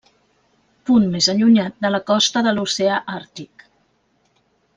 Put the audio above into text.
Punt més allunyat de la costa de l'oceà Àrtic.